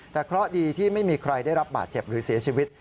แต่เคราะห์ดีที่ไม่มีใครได้รับบาดเจ็บหรือเสียชีวิต